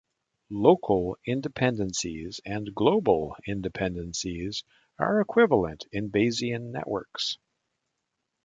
Local independences and global independences are equivalent in Bayesian networks.